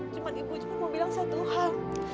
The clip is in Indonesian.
cuma ibu cuma mau bilang satu hal